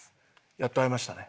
やっと会えましたね。